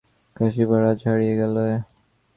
কাশী-ভাটপাড়া ছাড়িয়ে গেলে!